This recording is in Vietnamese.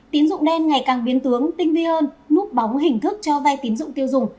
tín dụng đen ngày càng biến tướng tinh vi hơn núp bóng hình thức cho vay tín dụng tiêu dùng